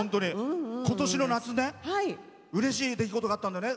今年の夏うれしい出来事があったんだよね